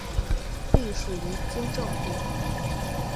隶属于军政部。